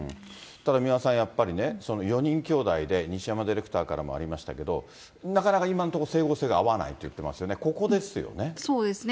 ただ三輪さん、やっぱりね、４人きょうだいで、西山ディレクターからもありましたけれども、なかなか今のところ整合性が合わないと言っていますよね、そうですね。